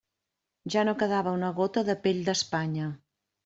Ja no quedava una gota de «pell d'Espanya»!